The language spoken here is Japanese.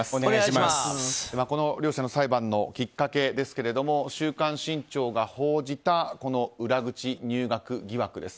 この両者の裁判のきっかけですが「週刊新潮」が報じた裏口入学疑惑です。